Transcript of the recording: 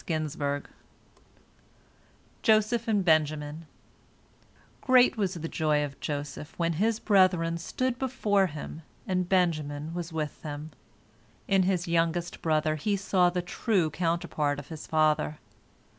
JOSEPH AND BENJAMIN Great was the joy of Joseph when his brethren stood before him and Benjamin was with them. In his youngest brother he saw the true counterpart of his father.